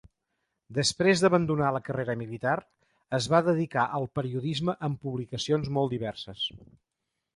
Després d'abandonar la carrera militar, es va dedicar al periodisme en publicacions molt diverses.